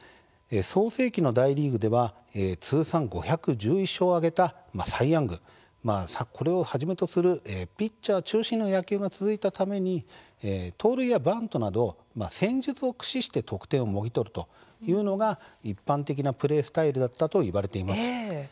創成期の大リーグでは通算５１１勝を挙げたサイ・ヤングをはじめとするピッチャー中心の野球が続いたために盗塁やバントなど戦術を駆使して得点をもぎ取るというのが一般的なプレースタイルだったといわれています。